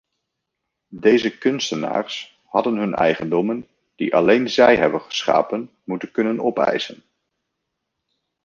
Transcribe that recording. Deze kunstenaars hadden hun eigendommen, die alleen zij hebben geschapen, moeten kunnen opeisen.